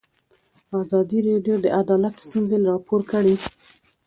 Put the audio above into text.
ازادي راډیو د عدالت ستونزې راپور کړي.